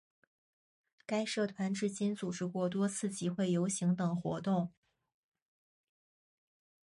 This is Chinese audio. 该社团至今组织过多次集会游行等活动。